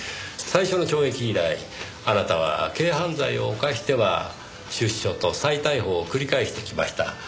最初の懲役以来あなたは軽犯罪を犯しては出所と再逮捕を繰り返してきました。